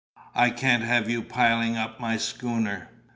I can't have you piling up my schooner."